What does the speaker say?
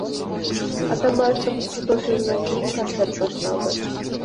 Атамбаевдин куттуктоо сөзүнөн кийин концерт башталды.